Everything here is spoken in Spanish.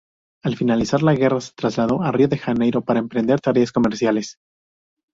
Al finalizar la guerra se trasladó a Río de Janeiro para emprender tareas comerciales.